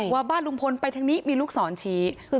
ว่าบ้านลุงพลไปทั้งนี้มีลูกสอนฉีก